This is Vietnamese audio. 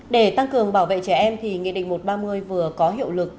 để tăng cường bảo vệ trẻ em thì nghị định một trăm ba mươi vừa có hiệu lực